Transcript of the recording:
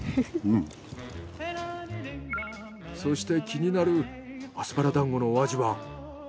そして気になるアスパラだんごのお味は？